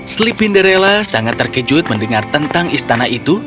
slipinderella sangat terkejut mendengar tentang istana itu